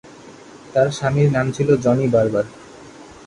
তার স্বামীর নাম ছিল জনি বারবার।